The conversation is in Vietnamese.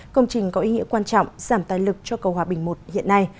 công trình có ý nghĩa quan trọng giảm tài lực cho cầu hòa bình một hiện nay